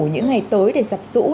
những ngày tới để giặt rũ